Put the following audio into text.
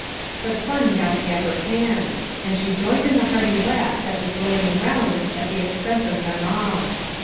But fun got the upper hand, and she joined in the hearty laugh that was going the rounds at the expense of them all.